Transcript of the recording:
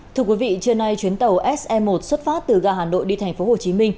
thưa quý vị trưa nay chuyến tàu se một xuất phát từ ga hà nội đi tp hcm